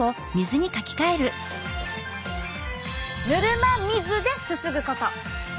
「ぬるま水ですすぐこと！」。